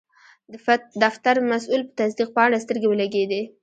د فتر مسول په تصدیق پاڼه سترګې ولګیدې.